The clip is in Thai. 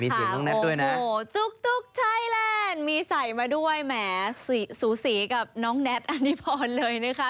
นี่แหละค่ะโอ้โหตุ๊กไทยแลนด์มีใส่มาด้วยแหม่สูสีกับน้องแนทอันนิพรเลยนะคะ